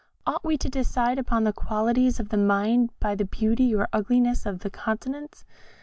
Ought we to decide upon the qualities of the mind by the beauty or ugliness of the countenance?